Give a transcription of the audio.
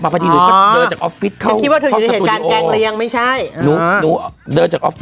ไม่ต้องกินดิบ